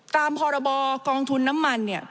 พรบกองทุนน้ำมันเนี่ย